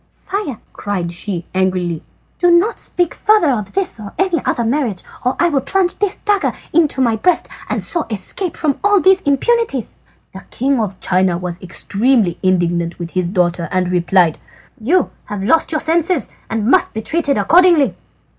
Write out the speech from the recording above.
"Sire," cried she angrily, "do not speak further of this or any other marriage or I will plunge this dagger in my breast and so escape from all these importunities." "The king of China was extremely indignant with his daughter and replied: "You have lost your senses and you must be treated accordingly."